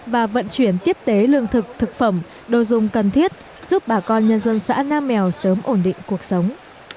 và vận chuyển tiếp tế lương thực thực phẩm đồ dùng cần thiết giúp bà con nhân dân xã nam mèo sớm ổn định cuộc sống